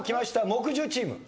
木１０チーム。